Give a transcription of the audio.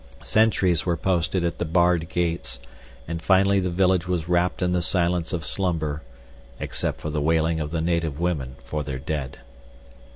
Sentries were posted at the barred gates, and finally the village was wrapped in the silence of slumber, except for the wailing of the native women for their dead.